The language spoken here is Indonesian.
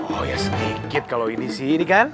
oh ya sedikit kalau ini sih ini kan